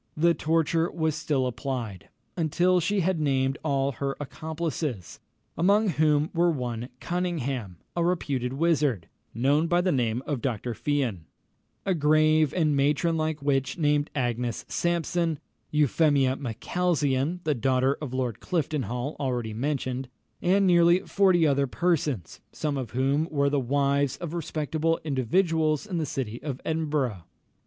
The torture was still applied, until she had named all her accomplices, among whom were one Cunningham, a reputed wizard, known by the name of Dr. Fian; a grave and matron like witch, named Agnes Sampson; Euphemia Macalzean, the daughter of Lord Cliftonhall, already mentioned, and nearly forty other persons, some of whom were the wives of respectable individuals in the city of Edinburgh.